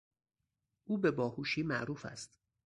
او به باهوشی معروف است.